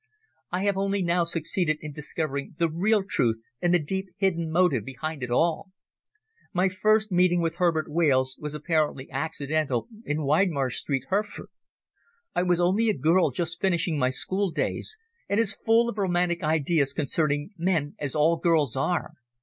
I have only now succeeded in discovering the real truth and the deep hidden motive behind it all. My first meeting with Herbert Hales was apparently accidental, in Widemarsh Street, Hereford. I was only a girl just finishing my schooldays, and as full of romantic ideas concerning men as all girls are.